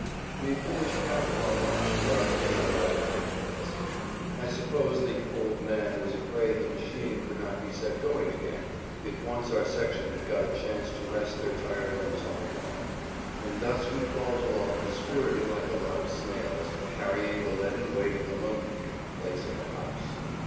We had finished half of our march without being allowed to take a rest. I suppose the "old man" was afraid the machine could not be set going again if once our section had got a chance to rest their tired limbs on the ground, and thus we crawled along dispirited like a lot of snails, carrying the leaden weight of the "monkey" in the place of a house.